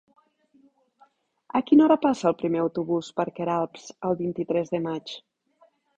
A quina hora passa el primer autobús per Queralbs el vint-i-tres de maig?